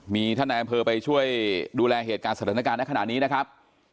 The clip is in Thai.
มีท่านนายอำเภอไปช่วยดูแลเหตุการณ์สถานการณ์ในขณะนี้นะครับ